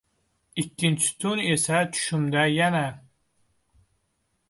Ikkinchi tun esa tushimda yana